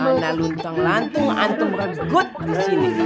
anak luntang lantung antung bergut di sini